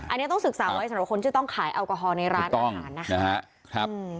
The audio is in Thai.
อันนี้ต้องศึกษาไว้สำหรับคนที่ต้องขายแอลกอฮอลในร้านอาหารนะครับ